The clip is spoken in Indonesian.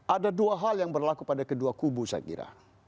ada dua hal yang berlaku pada kedua kubu saya kira